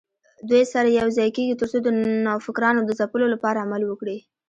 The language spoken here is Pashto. دوی سره یوځای کېږي ترڅو د نوفکرانو د ځپلو لپاره عمل وکړي